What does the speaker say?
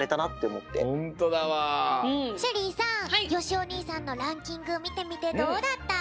ＳＨＥＬＬＹさんよしお兄さんのランキングみてみてどうだった？